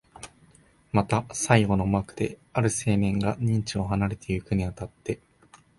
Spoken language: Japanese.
また最後の幕で、ある青年が任地を離れてゆくに当たって、